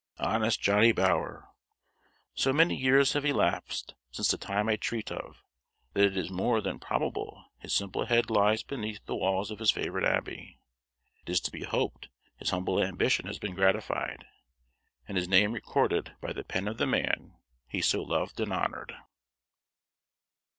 Honest Johnny Bower! so many years have elapsed since the time I treat of, that it is more than probable his simple head lies beneath the walls of his favorite Abbey. It is to be hoped his humble ambition has been gratified, and his name recorded by the pen of the man he so loved and honored.